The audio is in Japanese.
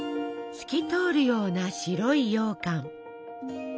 透き通るような白いようかん。